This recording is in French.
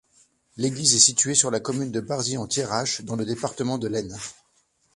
L'église est située sur la commune de Barzy-en-Thiérache, dans le département de l'Aisne.